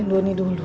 dan doni dulu